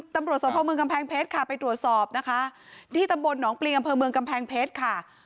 ตำรวจสมภาพเมืองกำแพงเพชรค่ะไปตรวจสอบนะคะที่ตำบลหนองปริงอำเภอเมืองกำแพงเพชรค่ะ